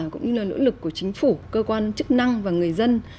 cũng như là nỗ lực của chính phủ cơ quan chức năng và người dân